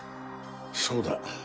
そうだ。